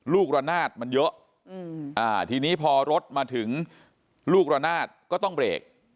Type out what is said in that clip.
ลูกละนาดมันเยอะอืมอ่าทีนี้พอรถมาถึงลูกละนาดก็ต้องเบรก